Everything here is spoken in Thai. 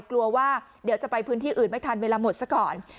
กลัวว่าเดี๋ยวจะไปพื้นที่อื่นไม่ทันเวลาหมดซะก่อน